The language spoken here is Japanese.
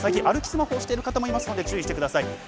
歩きスマホをしている方もいますのでちゅういしてください。